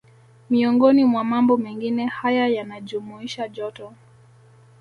Miongoni mwa mambo mengine haya yanajumuisha joto